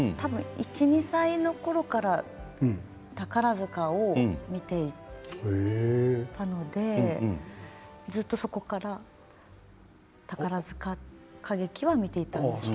１歳か２歳のころから宝塚を見ていてずっとそこから宝塚歌劇を見ていたと思います。